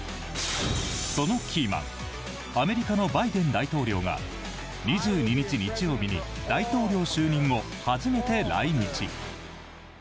そのキーマンアメリカのバイデン大統領が２２日、日曜日に大統領就任後初めて来日。